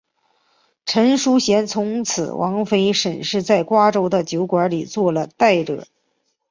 陈叔贤从此王妃沈氏在瓜州的酒馆里做了侍者。